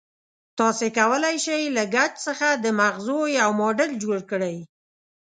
تاسې کولای شئ له ګچ څخه د مغزو یو ماډل جوړ کړئ.